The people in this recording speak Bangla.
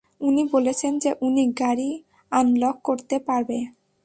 উনি বলেছেন যে উনি গাড়ি আনলক করতে পারবে।